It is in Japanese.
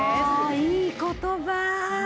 いい言葉。